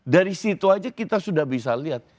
dari situ aja kita sudah bisa lihat